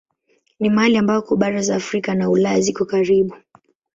Ni mahali ambako bara za Afrika na Ulaya ziko karibu.